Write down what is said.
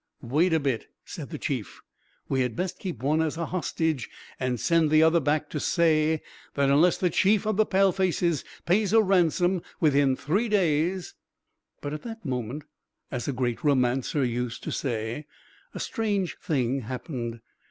"Wait a bit!" said the Chief. "We had best keep one as a hostage and send the other back to say that unless the Chief of the Palefaces pays a ransom within three days " But at that moment, as a great romancer used to say, a strange thing happened.